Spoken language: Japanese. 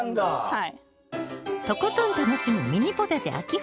はい。